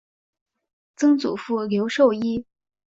曾祖父刘寿一。